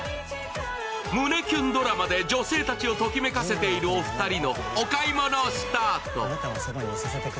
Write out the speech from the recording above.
胸キュンドラマで女性たちをときめかせているお二人のお買い物スタート。